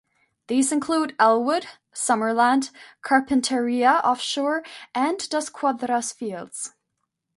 These include the Ellwood, Summerland, Carpinteria offshore and Dos Cuadras fields.